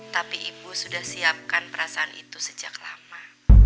tapi ibu sudah siapkan perasaan itu sejak lama